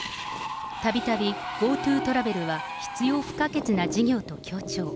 たびたびＧｏＴｏトラベルは必要不可欠な事業と強調。